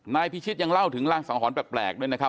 นายพิชิตยังเล่าถึงรางสังหรณ์แปลกด้วยนะครับ